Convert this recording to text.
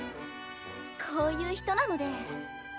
こういう人なのデース。